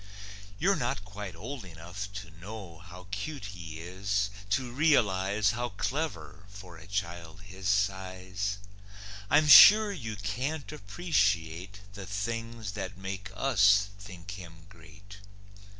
You're not quite old enough to know How cute he is; to realize How clever for a child his size. I'm sure you can't appreciate The things that make us think him great.